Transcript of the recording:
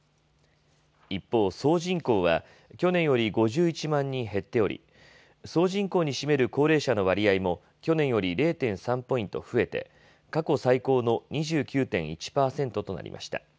一方、総人口は、去年より５１万人減っており、総人口に占める高齢者の割合も去年より０．３ポイント増えて、過去最高の２９．１％となりました。